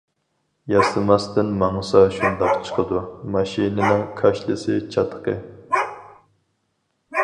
ياسىماستىن ماڭسا شۇنداق چىقىدۇ، ماشىنىنىڭ كاشىلىسى چاتىقى.